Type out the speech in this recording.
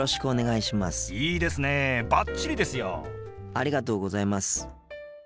ありがとうございます。